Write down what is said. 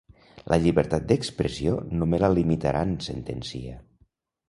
La llibertat d’expressió no me la limitaran, sentencia.